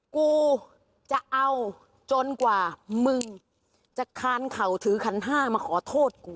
กูจะเอาจนกว่ามึงจะคานเข่าถือขันห้ามาขอโทษกู